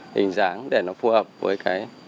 hình dáng để nó phù hợp với cái